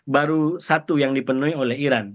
baru satu yang dipenuhi oleh iran